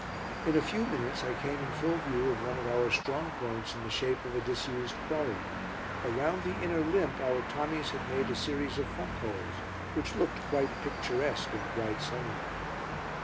In a few minutes I came in full view of one of our strong points in the shape of a disused quarry. Around the inner lip our Tommies had made a series of funk holes, which looked quite picturesque in the bright sunlight.